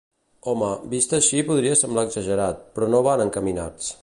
Home, vist així podria semblar exagerat però no van encaminats.